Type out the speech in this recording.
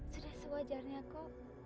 sudah sewajarnya kok